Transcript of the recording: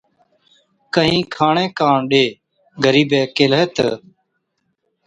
ڪهِين کاڻي ڪاڻ ڏي۔ غريبَي ڪيهلَي تہ،